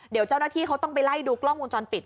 เดี๋ยวเจ้าหน้าที่เขาต้องไปไล่ดูกล้องวงจรปิด